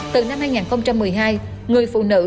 từ năm hai nghìn một mươi hai người phụ nữ